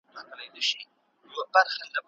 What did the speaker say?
د ځوانانو نوښتونه د دولت لخوا ستایل کیدل.